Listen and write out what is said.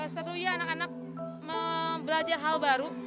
seru ya anak anak belajar hal baru